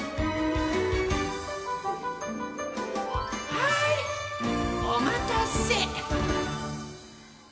はいおまたせ！